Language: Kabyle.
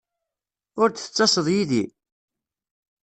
Ur d-ttaseḍ yid-i?